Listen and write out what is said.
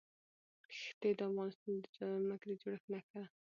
ښتې د افغانستان د ځمکې د جوړښت نښه ده.